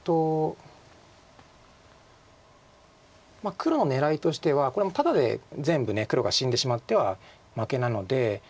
黒の狙いとしてはこれはもうタダで全部黒が死んでしまっては負けなので。